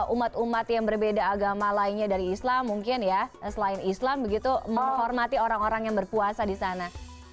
umat umat yang berbeda agama lainnya dari islam mungkin ya selain islam begitu menghormati orang orang yang berpuasa di sana